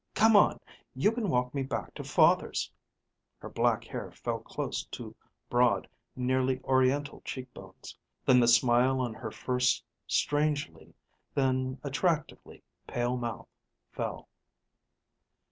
"Come on. You can walk me back to father's." Her black hair fell close to broad, nearly oriental cheekbones. Then the smile on her first strangely, then attractively pale mouth fell.